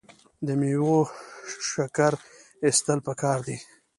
د میوو شکر ایستل پکار دي.